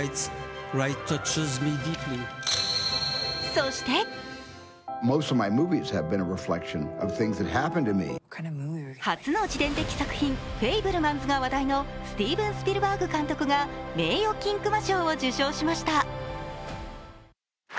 そして初の自伝的作品「フェイブルマンズ」が話題のスティーブン・スピルバーグ監督が名誉金熊賞を受賞しました。